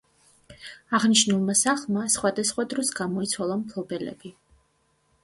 აღნიშნულმა სახლმა სხვადასხვა დროს გამოიცვალა მფლობელები.